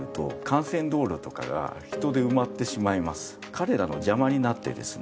彼らの邪魔になってですね